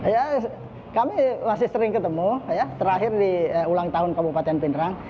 ya kami masih sering ketemu ya terakhir di ulang tahun kabupaten pindrang